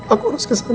aku harus ke sana